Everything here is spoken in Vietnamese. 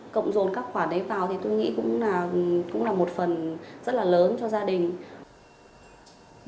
cộng dồn các quả đấy vào thì tôi nghĩ cũng là một phần rất là lớn cho gia đình